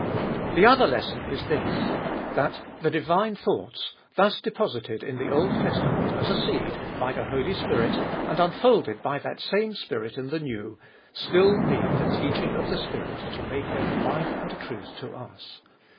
4 50 Sbe Iboliest of The other lesson is this, that the divine thoughts, thus deposited in the Old Testament as a seed by the Holy Spirit and unfolded by that same Spirit in the New, still need the teaching of the Spirit to make them life and truth to us.